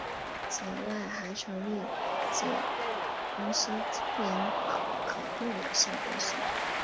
此外还成立子公司精灵宝可梦有限公司。